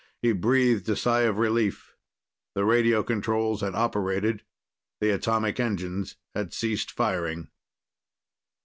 He breathed a sigh of relief. The radio controls had operated. The atomic engines had ceased firing.